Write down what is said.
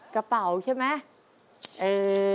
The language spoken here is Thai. กระเป๋าใช่ไหม